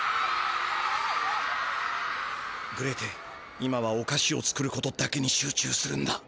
今はおかしを作ることだけに集中するんだ。